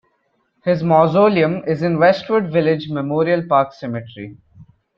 His mausoleum is in Westwood Village Memorial Park Cemetery.